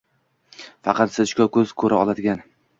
faqat sinchkov ko‘z ko‘ra oladigan